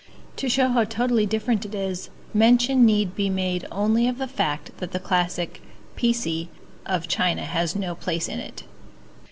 To show how totally different it is, mention need be made only of the fact that the classic piecee of China has no place in it.